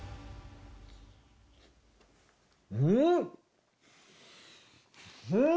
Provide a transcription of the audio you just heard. うん⁉うん！